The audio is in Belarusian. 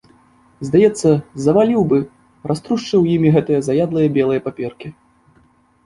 Здаецца, заваліў бы, раструшчыў імі гэтыя заядлыя белыя паперкі.